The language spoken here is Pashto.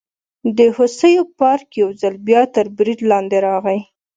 د هوسیو پارک یو ځل بیا تر برید لاندې راغی.